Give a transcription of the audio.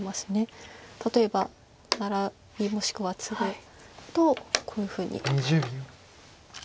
例えばナラビもしくはツグとこういうふうに。